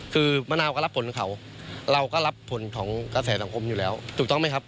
คือมะนาวก็รับผลของเขาเราก็รับผลของกระแสสังคมอยู่แล้วถูกต้องไหมครับ